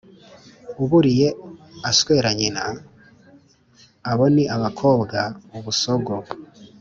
uburiye aswera nyina » (abo ni abakobwa) ;« ubusogo